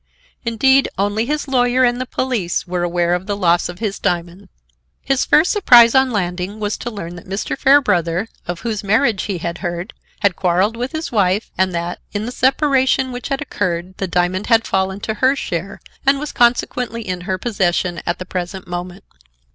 Indeed, only his lawyer and the police were aware of the loss of his diamond. His first surprise on landing was to learn that Mr. Fairbrother, of whose marriage he had heard, had quarreled with his wife and that, in the separation which had occurred, the diamond had fallen to her share and was consequently in her possession at the present moment.